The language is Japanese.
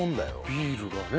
ビールがね